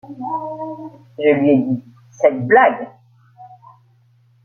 Je lui ai dit :« cette blague !